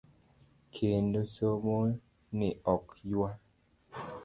Kendo somo ni ok ywa .